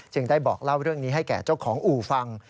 ได้บอกเล่าเรื่องนี้ให้แก่เจ้าของอู่ฟัง